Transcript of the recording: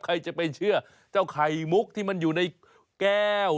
ใครจะไปเชื่อเจ้าไข่มุกที่มันอยู่ในแก้ว